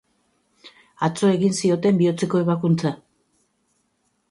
Atzo egin zioten bihotzeko ebakuntza.